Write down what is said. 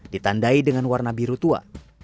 ditandai dengan warna biru tua